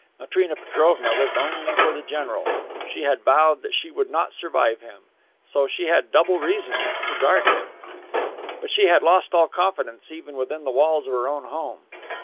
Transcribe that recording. Matrena Petrovna lived only for the general. She had vowed that she would not survive him. So she had double reason to guard him. But she had lost all confidence even within the walls of her own home.